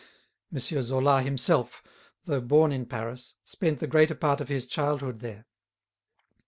M. Zola himself, though born in Paris, spent the greater part of his childhood there.